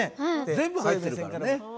全部入ってるからね。